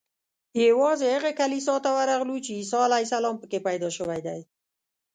یوازې هغه کلیسا ته ورغلو چې عیسی علیه السلام په کې پیدا شوی دی.